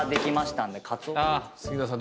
杉野さん